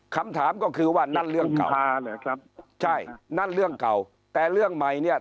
คำถามก็คือว่านั่นเรื่องเก่าใช่นั่นเรื่องเก่าแต่เรื่องใหม่เนี่ย